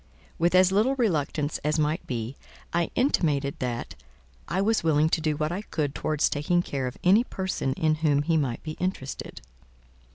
With as little reluctance as might be, I intimated that "I was willing to do what I could towards taking care of any person in whom he might be interested.".